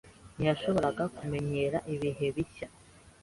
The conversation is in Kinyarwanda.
Ntiyashoboraga kumenyera ibihe bishya.